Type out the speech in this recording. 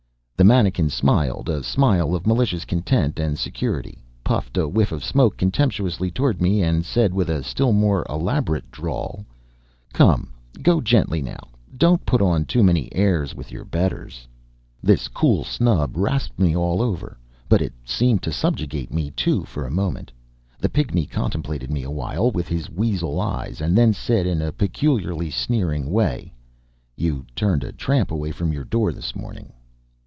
The manikin smiled a smile of malicious content and security, puffed a whiff of smoke contemptuously toward me, and said, with a still more elaborate drawl: "Come go gently now; don't put on too many airs with your betters." This cool snub rasped me all over, but it seemed to subjugate me, too, for a moment. The pygmy contemplated me awhile with his weasel eyes, and then said, in a peculiarly sneering way: "You turned a tramp away from your door this morning."